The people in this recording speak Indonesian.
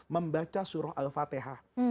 membaca surah al fatihah